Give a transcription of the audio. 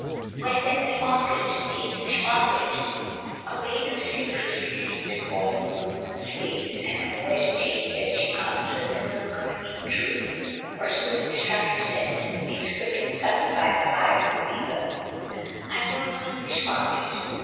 "Where then is Margaret—the English Margaret?" A veil of secrecy seemed to fall over the woman's face, and her voice changed as she answered, no longer ringing true, or so it struck his senses made quick and subtle by the fires of fever: "I know no English Margaret.